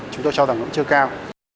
chúng tôi cho rằng nó chưa cao